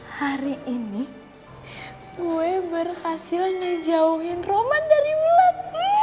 hari ini gue berhasil ngejauhin roman dari ulan